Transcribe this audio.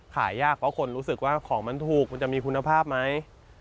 ขายยากเพราะคนรู้สึกว่าของมันถูกมันจะมีคุณภาพไหม